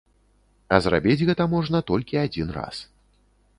А зрабіць гэта можна толькі адзін раз.